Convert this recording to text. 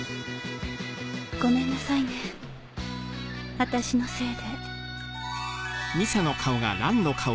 ごめんなさいねあたしのせいで。